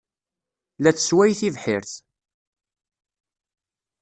La tessway tibḥirt.